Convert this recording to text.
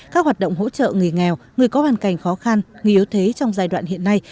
các hoạt động hỗ trợ người nghèo người có hoàn cảnh khó khăn người yếu thế trong giai đoạn hiện nay